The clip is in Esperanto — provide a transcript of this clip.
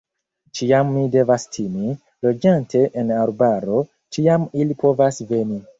Ĉiam mi devas timi, loĝante en arbaro, ĉiam ili povas veni!